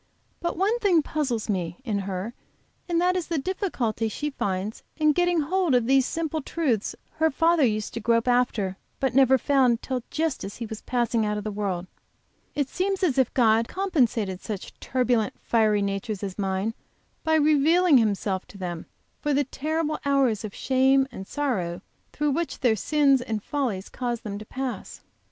But one thing puzzles me, in her, and that is the difficulty she finds in getting hold of these simple truths her father used to grope after but never found till just as he was passing out of the world. It seems as if God had compensated such turbulent, fiery natures as mine, by revealing Himself to them, for the terrible hours of shame and sorrow through which their sins and follies cause them to pass.